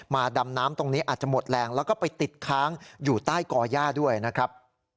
ดำน้ำตรงนี้อาจจะหมดแรงแล้วก็ไปติดค้างอยู่ใต้ก่อย่าด้วยนะครับ